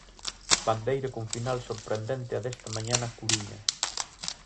Bandeira con final sorprendente a desta mañá na Coruña.